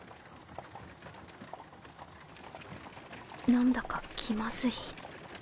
何だか気まずい